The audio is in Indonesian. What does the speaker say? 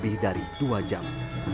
lebih dari dua jam